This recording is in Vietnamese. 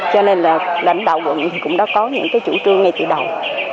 cho nên là lãnh đạo quận thì cũng đã có những cái chủ trương ngay từ đầu